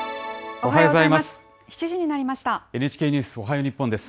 おはようございます。